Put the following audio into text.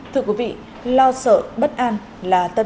thưa quý vị lo sợ bất an là tâm trạng